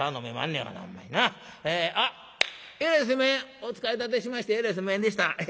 お使い立てしましてえらいすいまへんでした。